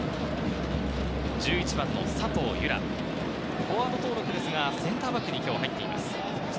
１１番の佐藤由空、フォワード登録ですが、センターバックに今日は入っています。